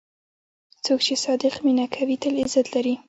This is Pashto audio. څوک چې صادق مینه کوي، تل عزت لري.